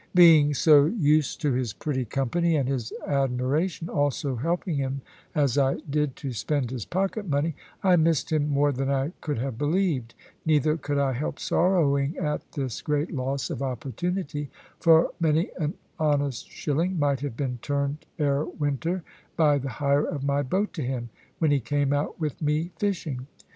Being so used to his pretty company, and his admiration, also helping him as I did to spend his pocket money, I missed him more than I could have believed; neither could I help sorrowing at this great loss of opportunity; for many an honest shilling might have been turned ere winter by the hire of my boat to him when he came out with me fishing.